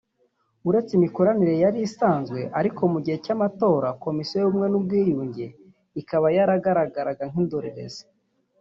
uretse imikoranire yari isanzwe ariko mu gihe cy’amatora Komisiyo y’Ubumwe n’Ubwiyunge ikaba yagaragaraga nk’indorerezi